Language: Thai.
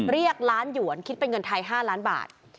เรียกล้านหยวนคิดเป็นเงินไทย๕ล้านบาท